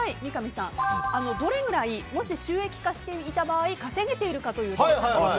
どれぐらいもし収益化していた場合稼げているかと。